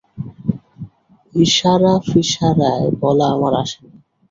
ইশারাফিশারায় বলা আমার আসে না।